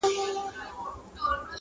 شاهدان مي سره ګلاب او پسرلي دي،